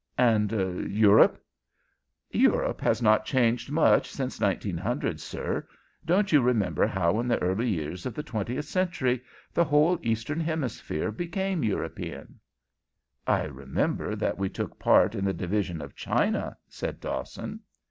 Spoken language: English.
"And Europe?" "Europe has not changed much since 1900, sir. Don't you remember how in the early years of the twentieth century the whole Eastern Hemisphere became European?" "I remember that we took part in the division of China," said Dawson.